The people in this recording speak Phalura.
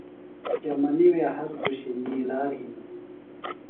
چمنیۡ وے ہر دُشیۡ نِیلار ہِنیۡ۔